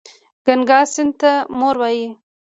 ګنګا سیند ته مور وايي.